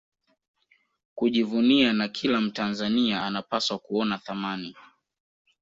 kujivunia na kila Mtanzania anapaswa kuona thamani